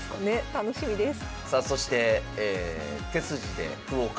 楽しみです。